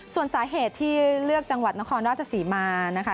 ส่วนสาเหตุที่เลือกจังหวัดนครราชศรีมานะคะ